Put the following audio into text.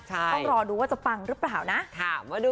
ต้องรอดูว่าจะปังหรือเปล่านะ